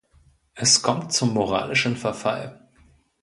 Es kommt zum moralischen Verfall.